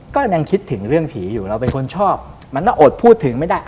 ก็ยังคิดถึงเรื่องผีอยู่เราเป็นคนชอบมันต้องอดพูดถึงไม่ได้